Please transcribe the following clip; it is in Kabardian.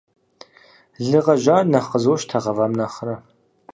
Лы гъэжьар нэхъ къызощтэ гъэвам нэхърэ.